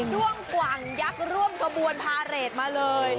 ้วงกว่างยักษ์ร่วมขบวนพาเรทมาเลย